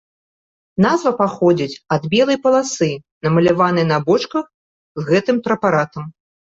Назва паходзіць ад белай паласы, намаляванай на бочках з гэтым прэпаратам.